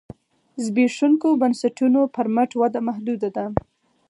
زبېښونکو بنسټونو پر مټ وده محدوده ده.